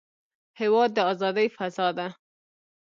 هېواد د ازادۍ فضا ده.